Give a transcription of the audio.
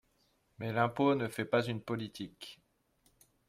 Mais l’impôt ne fait pas une politique.